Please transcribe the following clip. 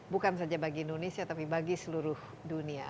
bukan saja bagi indonesia tapi bagi seluruh dunia